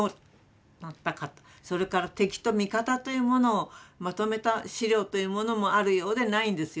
それから敵と味方というものをまとめた資料というものもあるようでないんですよね。